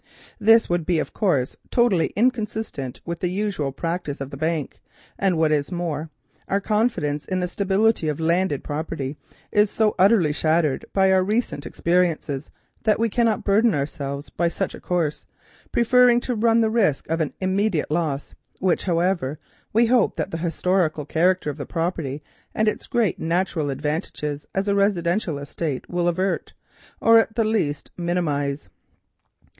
But this would be a course totally inconsistent with the usual practice of the bank, and what is more, our confidence in the stability of landed property is so utterly shattered by our recent experiences, that we cannot burden ourselves by such a course, preferring to run the risk of an immediate loss. This, however, we hope that the historical character of the property and its great natural advantages as a residential estate will avert, or at the least minimise.